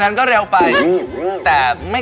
มันก็เหมือนเลย